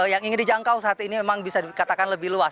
yang ingin dijangkau saat ini memang bisa dikatakan lebih luas